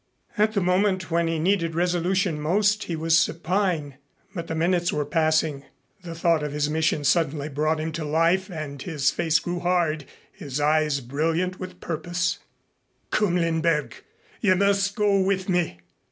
At the moment when he needed resolution most he was supine. But the minutes were passing. The thought of his mission suddenly brought him to life, and his face grew hard, his eyes brilliant with purpose. "Come, Lindberg. You must go with me."